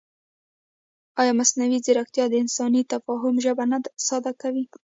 ایا مصنوعي ځیرکتیا د انساني تفاهم ژبه نه ساده کوي؟